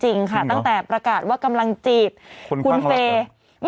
จริงเหรอคุณฟังหรือเปล่าตั้งแต่ประกาศว่ากำลังจีบคุณเฟย์